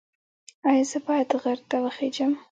ایا زه باید غر ته وخیزم؟